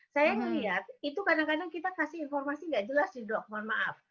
saya melihat itu kadang kadang kita kasih informasi nggak jelas sih dok mohon maaf